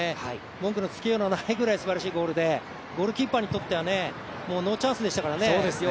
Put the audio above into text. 文句のつけようがないぐらいすばらしいゴールでゴールキーパーにとってはノーチャンスでしたからね。